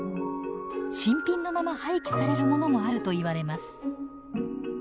新品のまま廃棄されるものもあるといわれます。